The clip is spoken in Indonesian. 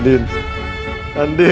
din bangun din